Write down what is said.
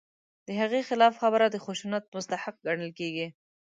د هغې خلاف خبره د خشونت مستحق ګڼل کېږي.